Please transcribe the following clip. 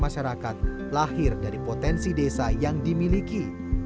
masyarakat lahir dari potensi desa yang dimiliki